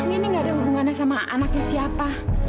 ini gak ada hubungannya sama anaknya siapa